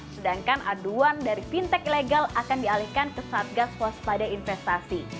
sedangkan aduan dari fintech ilegal akan dialihkan ke satgas waspada investasi